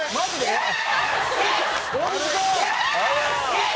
えっ？